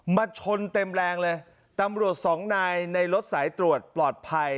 ชนเต็มแรงเลยตำรวจสองนายในรถสายตรวจปลอดภัย